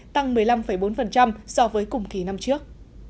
tăng một mươi năm bốn so với cùng kỳ năm trước